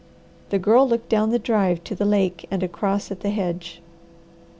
The Girl looked down the drive to the lake and across at the hedge.